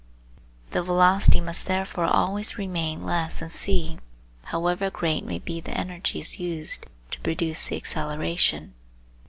The velocity must therefore always remain less than c, however great may be the energies used to produce the acceleration.